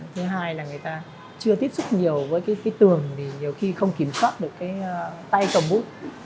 thứ hai là người ta chưa tiếp xúc nhiều với cái tường thì nhiều khi không kiểm soát được cái tay cầm bút